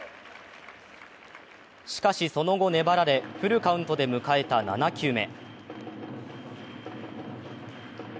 しかし、その後粘られフルカウントで迎えた７球目。